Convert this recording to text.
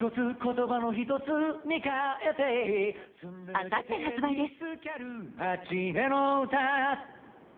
あさって発売です。